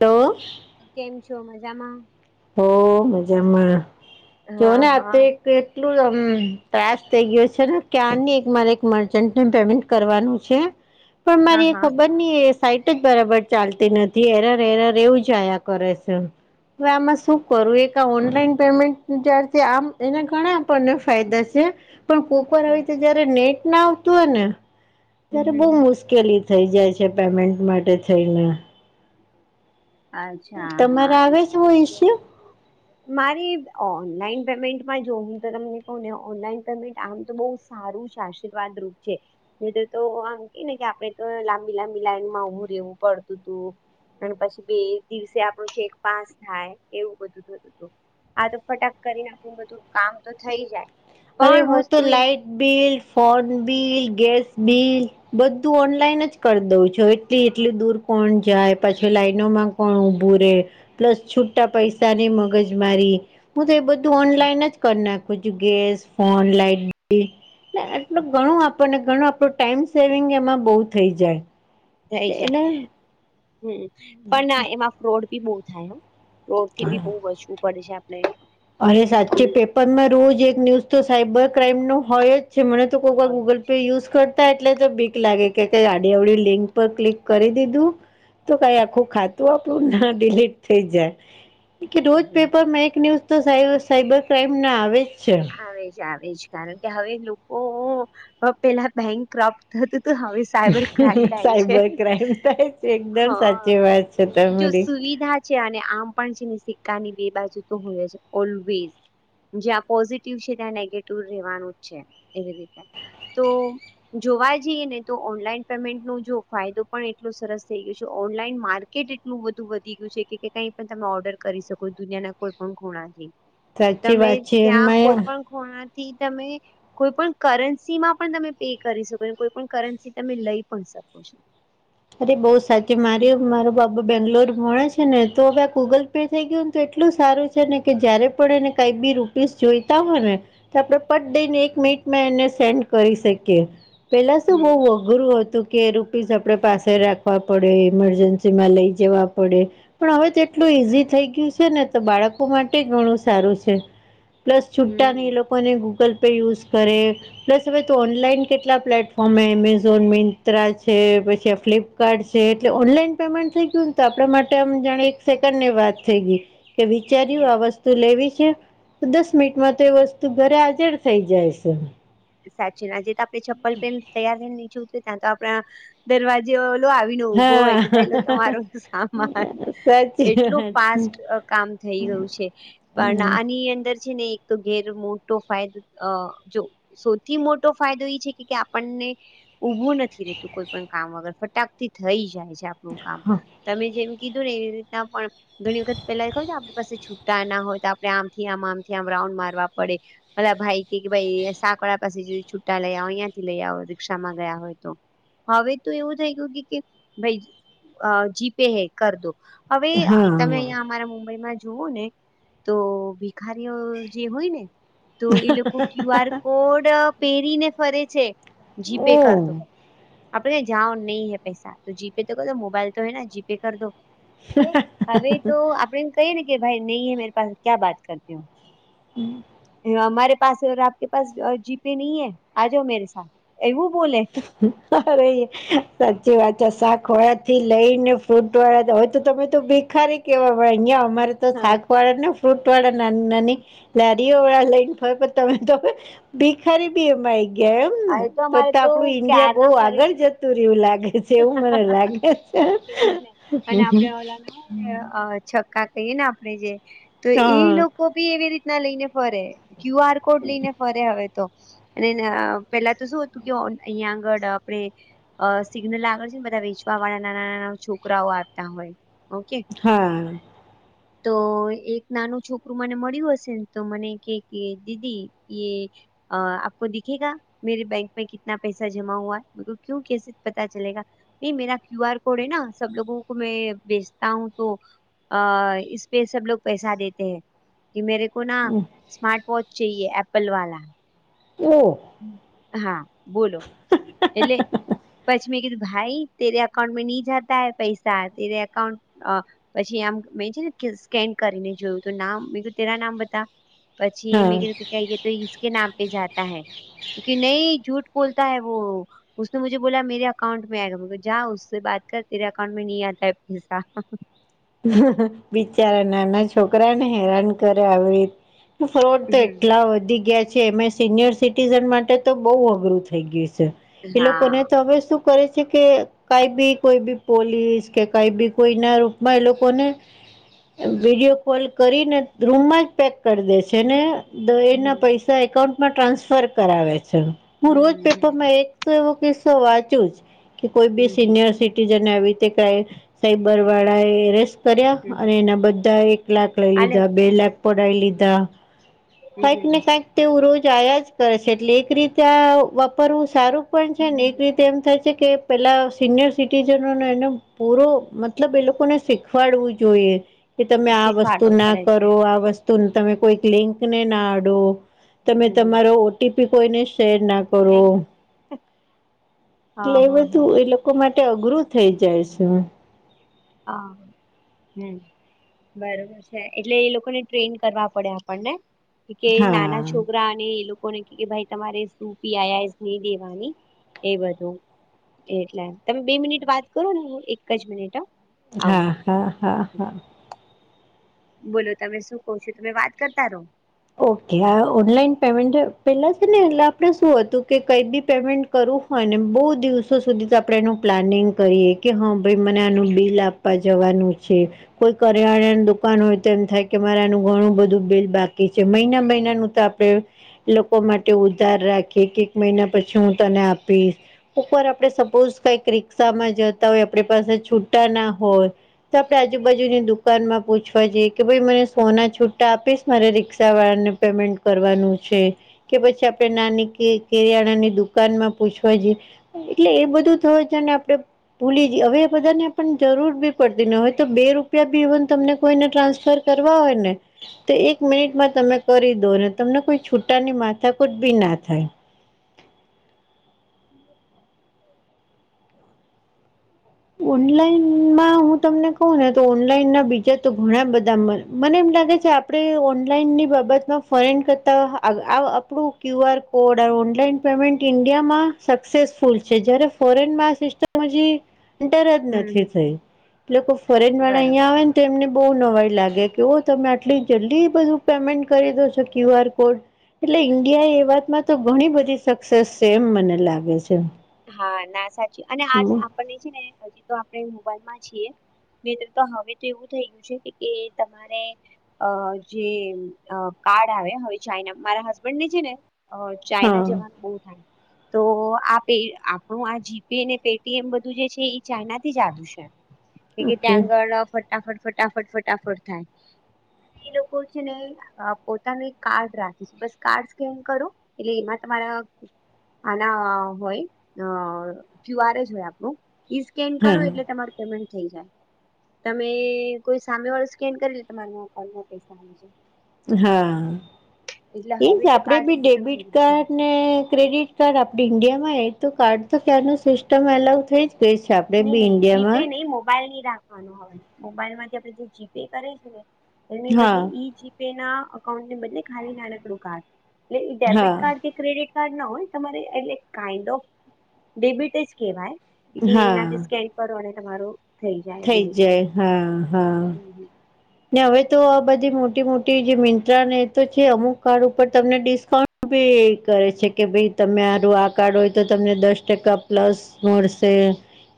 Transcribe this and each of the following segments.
તો કેમ છો મજામાં હો મજામાં કેવો હા ને હા આતો એક કેટલુ એમ ત્રાસ થઇ ગયો છે ને ક્યા આની એક મારે એક મર્ચન્ટને પેમેન્ટ કરવાનું છે પણ હા મારી એ હા ખબર ની સાઈટ જ બરાબર ચાલતી નથી એરર એરર એવું જ આયા કરે છે ફેમસ શું કરું એક આ ઓનલાઈન પેમેન્ટ જ્યારથી આમ એના ઘણા આપણને ફાયદા છે. પણ કોકવાર આવી હમ રીતે જયારે નેટ ના આવતું હોય ને હમ ત્યારે હમ બહુ હમ મુશ કેલી થઈ જાય છે પેમેન્ટ માટે થઈને. અચ્છા તમારે આવે છે એવો ઈશ્યુ? મારી ઓનલાઈન પેમેન્ટમાં જો હું [unintelligible] કહું ને ઓનલાઈન પેમેન્ટ આમ તો બહુ સારું છે, આશીર્વાદ રૂપ છે. નહીં તો-તો આમ કહે ને કે આપડે તો લાંબી-લાંબી લાઈન માં ઉભું રહેેવું પડતું તું પણ પછી બે એક દિવસે આપણું છેક પાસ થાય એવું બધું થત તું, આ તો ફટાક કરી ને આપણું બધું કામ તો થઈ જાય. અરે પણ હું તો વસ્તુ એક light bill, phone bill, gas bill બધું ઓનલાઈન જ કરી દઉં છું. હવે એટલી-એટલી દૂર કોણ જાય? પછી લાઈનોમાં કોણ ઉભું રહે? પ્લસ છુ ટા પૈસા ની મગજ મારી હું તો એ બધું ઓનલાઈન જ કર નાખું છું, ગેસ ફોન, લાઈટ બીલ. ને એટલું ઘણું આપણને ઘણું આપડું ટાઈમ સેવિંગ એમાં બહુ થઈ જાય. થઈ જાય. એટલે હમ્મ-હમ્મ. પણ આ એમાં ફ્રોડ બી બહુ થાય હો. [unintelligible] થી બી બહુ બચવું પડે છે આપણે. અરે સાચે. પેપરમાં રોજ એક ન્યૂઝ તો સાયબર ક્રાઈમ નું હોય જ છે. મને તો કોકવાર હોય ગૂગલ પે યુઝ કર તા એટલે તો બીક લાગે કે કંઈ આડી અવડી લિંક પર ક્લિક કરી દીધું તો કાંઈ આખું ખાતું આપણું ના ડીલીટ થઈ જાય. કે-કે હમ રોજ હમ પેપરમાં એક ન્યૂઝ તો સાઈબ સાઈબર ક્રાઈમ ના આવે જ છે. આવે જ આવે જ. કારણ કે હવે લોકો હવે પહેલા બેંક ક્રપ્ટ થતું તું હવે સ સાયબર ક્રાઈમ થાય સાયબર છો. ક્રાઇમ થાય છે એકદમ હા. સાચી વાત છે જો તમારી સુવિધા જ છે, અને આમ પણ છે ને સિક્કા ની બે બાજુ તો હોય જ ઓલવેઈઝ. જે આપ પોઝિટિવ છે ત્યાં નેગેટિવ રહેવાનું જ છે, એવી રીતે. તો જોવા જઈએ ને તો ઓનલાઈન પેમેન્ટ નો જો ફાયદો પણ એટલો સરસ થઈ ગયો છે ઓનલાઈન માર્કેટ એટલું બધું વધી ગયું છે કે કાંઈ પણ તમે ઓર્ડર કરી શકો દુનિયાના કોઈ પણ ખુણાથી. સાચી વાત છે. તાં કોઈ એમાં પણ ખુણા થી તમે કોઈ પણ કરન્સી માં પણ તમે પે કરી શકો છો, કે કોઈ પણ કરન્સી તમે લઈ પણ શકો છો. અરે બહુ સાચી. મારી મારો બાબો બેંગ્લોર ભણે છે ને તો હવે આ ગૂગલ પે થઈ ગયુંને તો એટલું સારું છે ને કે જયારે પણ એને કાંઈક બી રૂપિઝ જોઈતા હોય ને તો આપણે પટ દઈને એક મિનિટમાં એને સેન્ડ કરી શકીએ. પેલા તો હમ શું બહું અઘરું હતું કે રૂપિઝ આપણે પાસ સે રાખવા પડે, ઇમરજન્સી માં લઈ જવા પડે પણ હવે તો એટલું ઈઝી થઈ ગયું છે ને તો બાળકો માટેય ઘણું સારું છે. પ્લસ હમ છુટા ની એ લોકોને ગૂગલ પે યુઝ કરે પ્લસ હવે તો ઓનલાઈન કેટલા પ્લેટફોર્મ હે એમેઝોન, મિંત્રા છે, પછી ફ્લિપકાર્ટ છે. એટલે ઓનલાઈન પેમેન્ટ થઈ ગયું ને તો આપણા માટે આમ જાણે એક સેકન્ડ ની વાત થઈ ગઈ. કે હમ વિચાર્યું આ વસ્ તુ લેવી છે તો દસ મિનિટમાં તો એ વસ્તુ ઘરે હજર થઈ જાય છે. કે સાચેન. હજી તો આપણે ચપ્પલ પહેરીન તૈયાર રહીને નીચે ઉતરી ત્યાં તો આપણા દરવાજે ઓલો આવીને ઉભો હોય હા કે ભાઈ લો તમારો સામાન. સાચી એટલું વાત ફાસ્ટ અહ કામ થઈ ગયું છે પણ આની અંદર છે ને એક તો ઘેર મોટો ફાયદો અ જો સૌથી મોટો ફાયદો એ છે કે આપણને ઉભું નથી રતું કોઈ પણ કામ વગર ફટાકથી થઈ જાય છે આપણું કામ તમે જેમ કીધું ને એવી રીતના પણ ઘણી વખત પેલા ખબર આપણી પાસે છુટા ના હોય તો આપડણે આમથી આમ આમથી આમ રાઉન્ડ મારવા પડે મ ભાઈ કે કે ભાઈ સા પણ પાસે છુટા લઈ આવ અહીંથી લઈ આવો રિક્ષામાં ગયા હોય તો હવે તો એવું થઈ ગયું કે ભાઈ અ જીપે હે કર દો હવે તમે હા અહીં અમારા મુંબઈમાં જુઓ ને તો ભિખારીઓ જે હોય ને તો એ લોકો ક્યુ આર કોડ પહેરીને ફરે છે ઓ જીપે કરદો આપડે જાઓ નહી પૈસા તો જીપે તો કર દો મોબાઈલ તો હૈ ને જીપે કર દો હવે તો આપડે કહીએ ને કે ભાઈ નહી હ મેરી પાસે ક્યા વાત કરતી હો એ અમારે પાસે આપકે પાસ જીપે નહી હૈ આ જા મેરે સા એવું બોલે અરે હા સાચી વાત છે શાખ વાળા થી લઈને ફ્રૂટ વાળા હોય તો તમે તો બી ખરે કેવા અહિયાયા અમારે તો હા શાક વાળા ને ફ્રૂટ વાળા નાની નાની લારીઓ વાળા લઈને ફરે પણ તમે તો હવે ભીખારી બી એમાં આવી ગયા એમ ને એ તો અમારે ત આપણું ઈન્ડિયા બહુ ક્યારના ફરે આગળ છે. જ જતું રયુ લાગે છે એવું મને લાગે છે એજ ને અને આપડે ઓલા ના હોય છક્કા કહીએ ને આપણેે જે તો એ હા લોકો બી એવી રીતના લઈને ફરે ક્યુ આર કોડ લઈને ફરે હવે તો અને પેલા તો શું હતું કે અહીિયાંયા આગળ આપણે અ સિગ્નલ આગળ છે ને બધા વેચવા વાળા નાના નાના છોકરાઓ આવતા હોય ઓકે હા તો એક નાનું છોકરું મને મળ્યું હશે ને તો મને કે કે દીદી એ અ આપકો દિખેંગા મેરે બેંક મે કીતના પૈસા જમા હુઆ હે મે કીધું કેસે પતા ચલે નહી મેરા ક્યુ આર કોડ હૈ ના સબ લોકો કો મે ભેચતા હું તો અ પે સબલોગ પૈસા દેતે હૈ કે મેરે કો ના સ્માર્ટ વોચ ચયે એપલ વાળા ઓ હા બોલો એટલે પછી મેં કીધું ભાઈ તેરે અકાઉન્ટ મે નહી જતા હૈ પૈસા તેરે અકાઉંન્ટ અ પછી આમ મે છે ને સ્કેન કરીને જોયું નામ તેરા નામ બતા પછી હા મે ક કે તો કે નામ પે જાતા હૈ ક નહી જૂઠ બોલતા હૈ વો ઉસને મુજ બોલા મેરે અકાઉન્ટ મે આયગા જા બાત કર તરે અકાઉન્ટ મે ન આતા પૈસા બિચારા નાના છોકરાને હેરાન કરે આવી રીતે ફ્રોડ તો હમ એટલા વધી ગયા છે, એમ સિનિયર સિટીઝન માટે તો બહ અઘરું થઈ ગયું છે, એ લોકોને હા તો હવે શું કરે છે કે કઈ બી કોઈ બી પોલીસ કે કઈ બી કોઈ ના ર ભય એ લોકોને વિડીયો કોલ કરીને રૂમમાં જ પેક કરી દેશે ને દ એ ના હમ પૈસા એકાઉન્ટમાં ટ્રાન્સફર કરાવે છે, હું રોજ હમ હમ પેપરમાં એક તો એવો કિસ્સો વાંચુ જ કે કોઈ બી હમ સિનિયર હમ સી તુજ, નેવીતી કઈ સાઈબર વાળા એ ર કર્યા, હમ અને એના બધા એક લાખ લઈ આલે લીધા, બે લાખ પઢાઈ હમ લીધા. કંઈક ને, કંઈક. તેવું રોજ આયા જ કરે છે, એટલે એક રીતે આ વાપરવું સારું પણ છે ને, હમ એક રીતે એમ થાય છે કે, પેલા સિનિયર સિટીજનો એનો પૂરો મતલબ એ લોકો ને, શીખવાડવું જોઈએ કે, તમે આ વસ્તુ શીખવાડવું ના પડે છે કરો, આ વસ્તુ તમે હમ કોઈ લિંક ને ના આડો, તમે હમ તમારો ઓટીપી કોઈને શેર ના કરે, નહી એટલે હા એ હા હા બધું એ લોકો લોકો માટે અઘરું થઈ જાય છે. હ, હમ્મ. બરોબર છે, એટલે એ લોકો ને ટ્રેન કરવા પડે, આપણને કે હા નાના છોકરા અને એ લોકો લોકોને ભ તમારે શું પી નહી દેવાની, એ બધું. એટલે તમે બે મિનિટ વાત કરો ને, હ એક જ મિનિટ. આવું હા, હા, હા, હા. બોલો તમે શું કહો છો? તમે વાત કરતા રહો. ઓકે, આ ઓનલાઈન પેમેન્ટ પેલા છે ને, એટલે આપણે શું હતું કે, કઈ બી પેમેન્ટ કરવું હોય ને, બહુ દિવસો સુધી તો આપણે એનું પ્લાનિંગ કરીએ કે, હા ભાઈ મને આનું બિલ આપ. જવાનું, છે કોઈ કરિયાણા દુકાન હોય, તો એમ થાય કે, મારેનું ઘણું બધું બિલ બાકી. છે, મહિના મહિનાનું તો આપડે લોકો માટે ઉધાર રાખી કે, એક મહિના પછી હું તને આપીશ. એક વાર આપણે સપોઝ કઈક રિક્ષામાં જતા હોય, આપણી પાસે છૂટા ના હોય. તો આપણેે આજુબાજુની દુકાન માં પૂછવા જઈએ કે, ભાઈ મને સોના છુટ્ટા આપીશ મારે રિક્ષવાળાને પેમેન્ટ કરવાનું છે. કે પછી આપણે નાની કેરિયાણા ની દુકાનમાં પૂછવા જઈએ. એટલે એ બધું થયું છે ને, આપડે ભૂલી જઈ હવે, એ બધાને પણ જરૂર બી પડતી ને, હવે તો બે રૂપિયા બી એવન તમને કોઈને ટ્રાન્સફર કરવા હોય ને, તો એક મિનિટ માં તમે કરી દો ને, તમને કોઈ છૂટાની માથા જ બી ના થાય. ઓનલાઈનમાં હું તમને કહું ને, તો ઓનલાઈન ના બીજા તો ઘણા બધા મને એમ લાગે છે. આપણે ઓનલાઈનની બાબતમાં ફરેડ કરતાં, આપણું ક્યુઆર ઓડ ઓનલાઈન પેમેન્ટ ઈન્ડિયામાં સક્સેસફુલ છે, જ્યારે ફોરેનમાં આ સિસ્ટમ હજી ર જ હમ નથી, હમ થઈ એ લોકો ફોરેન વાળા બરોબર અહીં આવે ને એને બહુ નવાઈ લાગે કે, ઓ તમે આટલી જલ્દી બધું પેમેન્ટ કરી દો છો ક્યુ આર કોડ એટલે ઈન્ડિયા એ, એ વાતમાં તો ઘણી બધી સક્સેસ છે, એમ મને લાગે છે. હા ના સાચી, અને આ આપને છે ને, હજી તો આપણે મોબાઈલ માં છીએ. નેતૃત્વ હવે તો એવું થયું છે કે તમારે અ જે કાર્ડ આવે, હવે ચાઈના મારા હસબન્ડ ને છે ને ચાઈના હા જવાનું બહુ થાય તો, આપ આપણું આ જીપેપેટી એમ બધું જે છે, એ ચાઈના થી જુદુ છે. કે, કે ઓકે ત્યાં આગળ ફટાફટ, ફટાફટ, ફટાફટ થાય, એ લોકો છે ને પોતાનું એક કાર્ડ રાખીશ, બસ કાર્ડ સ્કેન કરું, એટલે એમાં તમારા આના હોય, અ ક્યુઆર જ હોય, આપણું ઈ સ્કેન હા કરું, એટલે તમારુ પેમેન્ટ થઈ જાય. તમે કોઈ સામે વાળું સ્કેન કરી લે, તમારા ઓનલાઇન પૈસા આવી જાય. હા એટલે એજ હવે તો આપડે કાર્ડ બી સિસ્ટમ ડેબિટ થઈ ગઈ છે કાર્ડ ને ક્રેડિટ કાર્ડ આપડી ઇન્ડિયા માં હ તો કાર્ડ તો ક્યાંનું સિસ્ટમ અલાઉ થઈ જ ગઈ છે આપ નઈ નઈ જીપે નહી મોબાઈલ નહી રાખવાનો હવે મોબાઈલ માંથી આપે જે જીપે કરે છે ને એની બદલે હા ઈ જીપે ના અકાઉન્ટની બદલે ખાલી નાનકડું કાર્ડ એટલે ડેબિટ હા કાર્ડ કે ક્રેડિટ કાર્ડ ના હોય તમારે એટલે કાઇન્ડ ઓફ ડેબિટ જ કેહેવાય. હા એનાથી સ્કેન કરો અને તમારું જાય એવી થઈ રીતે જાય હા હા. હમ, ને હવે તો આ બધી મોટી મોટી જે મિંત્રા ને તો છે અમુક કાર્ડ ઉપર તમને ડિસ્કાઉન્ટ ભી એ કરે છે કે ભાઈ હમ. તમારુ આ કાર્ડ હોય તો તમને દસ ટકા પ્લસ મળશે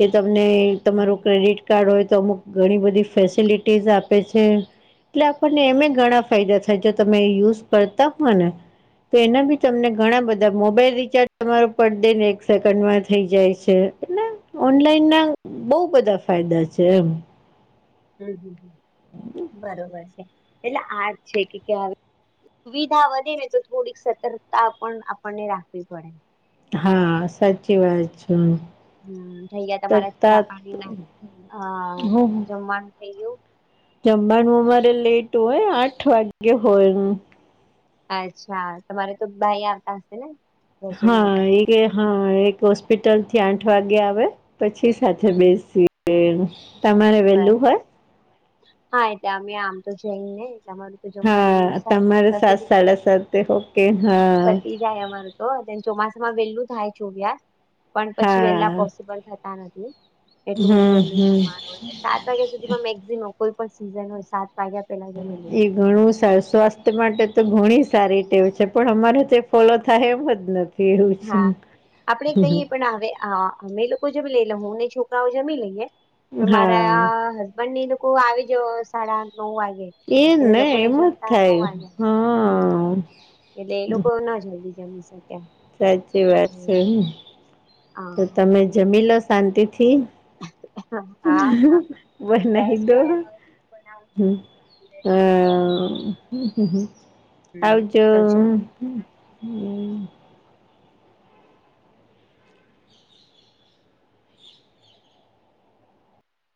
કે તમને હમ તમારું ક્રેડિટ કાર્ડ હોય તો અમુક ઘણી બધી ફેસિલિટીઝ આપે એટલે આપણને એમે ઘણા ફાયદા થાય જો તમે યુઝ કરતા હોય ને તો એના બી તમને ઘણા બધા મોબાઈલ રિચાર્જ તમારો પર દે નો એક સેકન્ડમાં થઇ જાય છે. એટલે ઓનલાઈન ના બહું બધા ફાયદા છે એમ. હમ્મ હમ્મ બરોબર છે એટલે આ જ છે કે અવે સુવિધા વધે ને તો થોડીક સતર્કતા પણ આપણને રાખવી પડે. હા સાચી વાત છે. હમ્મ થઈ ગયા તમારા ચા શકતા પાણી ના અ હું જમવાનું થઈ ગયું. જમવાનું અમારે લેટ હોય આઠ વાગ્યે હોય. અચ્છા તમારે તો ભાઈ આવતા હશે ને? રસોઈ હા માટે એ હા એ હોસ્પિટલ થી આઠ વાગે આવે પછી સાથે હમ બેસીએ તમારે બર વેલું હોય? હા એ અમે આમ તો જઈ ને તમારું? હા તમારે સાત સાડા સાતે ઓકે હા. પતી જાય અમાર તો ચોમાસામાં વેલું થાય ચોવ્યા પણ પછી હા વેહેલા પોસિબલ થતા નથી એટલું બધું હમ વહેલું હમ જવાનું હોય. સાત વાગ્યા સુધીમાં મેક્સિમમ કોઈ પણ સીઝન હોય સાત વાગ્યા પેલા જમી એ લઈએ ઘણું સારું સ્વાસ્થ માટે તો ઘણી સારી ટેવ છે પણ અમારે તે ફોલો થાય એમ જ નથી. એવું છે હા આપડે કહીએ પણ હવે અમે લોકો જમી લેઇ એટલે હું ને છોકરાઓ જમી લઈએ પણ હા મારા હસબન્ડ ને એ લોકો આવી જ સાડા આઠ નવ વાગે. એ એટલે ને લોકોને એમ જ જમતા નવ થાય વાગે હ. હમ એટલે એ લોકો ના જલ્દી જમી શકે. સાચી વાત છે તો હા તમે જમી લો શાંતિ થી હા હા બનાવી બસ જો દો. આ બનાવું છું હમ્મ હ થોડી વાર હમ્મ હમ્મ હમ આવજો. તો છે